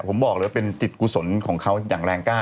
ผมบอกว่าติดกุศลของเขาอย่างแรงกล้า